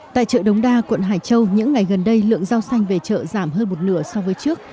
tại chợ đống đa quận hải châu những ngày gần đây lượng dao xanh về chợ giảm hơn một nửa so với trước